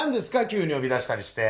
急によび出したりして。